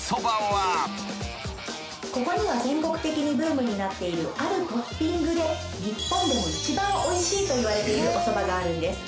ここには全国的にブームになっているあるトッピングで日本でも一番おいしいといわれているおそばがあるんです。